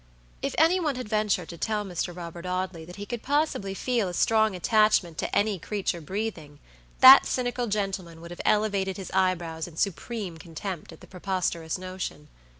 If any one had ventured to tell Mr. Robert Audley that he could possibly feel a strong attachment to any creature breathing, that cynical gentleman would have elevated his eyebrows in supreme contempt at the preposterous notion.